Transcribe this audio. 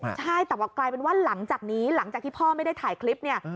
ใช่แต่ว่ากลายเป็นว่าหลังจากนี้หลังจากที่พ่อไม่ได้ถ่ายคลิปเนี่ย